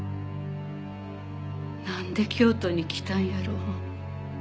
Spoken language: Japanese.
なんで京都に来たんやろ。